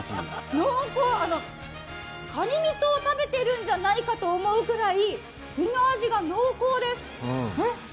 濃厚！かにみそを食べているんじゃないかと思うぐらい身の味が濃厚です。